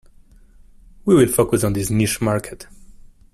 We will focus on this niche market.